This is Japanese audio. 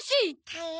たや？